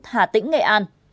hà tĩnh nghệ an